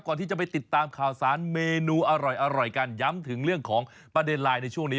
ก่อนที่จะไปติดตามข่าวสารเมนูอร่อยกันย้ำถึงเรื่องของประเด็นไลน์ในช่วงนี้